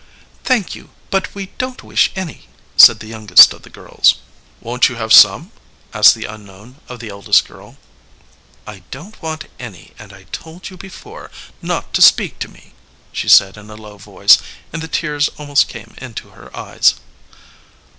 "Thank you, but we don't wish any," said the youngest of the girls. "Won't you have some?" asked the unknown of the eldest girl. "I don't want any, and I told you before not to speak to me!" she said in a low voice, and the tears almost came into her eyes.